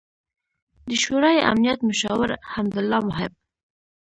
، د شورای امنیت مشاور حمد الله محب